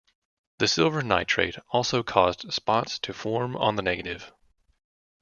The silver nitrate also caused spots to form on the negative.